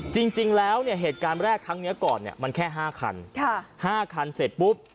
จริงจริงแล้วเนี่ยเหตุการณ์แรกทั้งเนี้ยก่อนเนี่ยมันแค่ห้าคันค่ะห้าคันเสร็จปุ๊บ